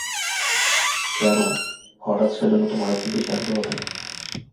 কেন, হঠাৎ সেজন্য তোমার এত বেশি আগ্রহ কেন।